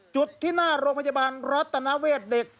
จุดที่หน้าโรงพยาบาลรัฐนาเวทเด็ก